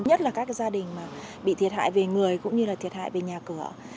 nhất là các gia đình mà bị thiệt hại về người cũng như là thiệt hại về nhà cửa